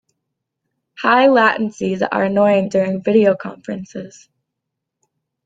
High latencies are annoying during video conferences.